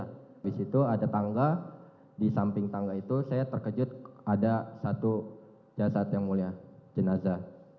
habis itu ada tangga di samping tangga itu saya terkejut ada satu jasad yang mulia jenazah